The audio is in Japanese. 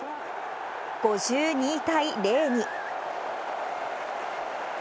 ５２対０に。